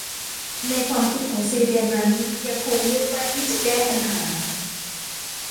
ในความคิดของซีเลียนั้นยังคงมุ่งมั่นที่จะแก้ปัญหา